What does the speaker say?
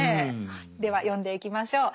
では読んでいきましょう。